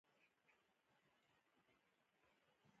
ميښه بيا هم د ماشومانو د کتابونو په ژولو کې بريالۍ شوه.